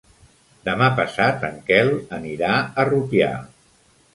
Demà passat en Quel anirà a Rupià.